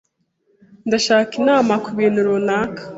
Ndashaka inama kubintu runaka.